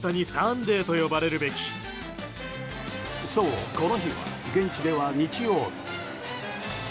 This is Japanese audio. そう、この日は現地では日曜日。